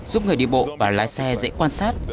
giúp người đi bộ và lái xe dễ quan sát